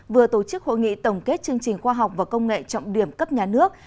vừa tổ chức hội nghị tổng kết chương trình khoa học và công nghệ trọng điểm cấp nhà nước